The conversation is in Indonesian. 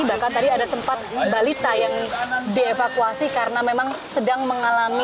bahkan tadi ada sempat balita yang dievakuasi karena memang sedang mengalami